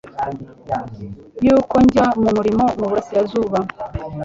y’uko njya mu murimo mu Burasirazuba.